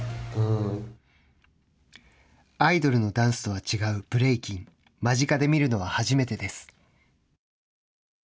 アイドルのダンスと違うブレイキン間近で見るのは初めてです。